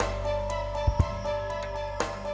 enggak enak lu ice cream